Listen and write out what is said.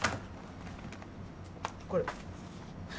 これ。